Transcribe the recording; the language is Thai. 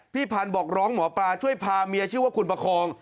พันธุ์บอกร้องหมอปลาช่วยพาเมียชื่อว่าคุณประคอง